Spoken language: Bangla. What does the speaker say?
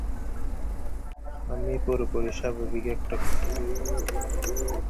আমি পুরোপুরি স্বাভাবিক একটা কুকুর।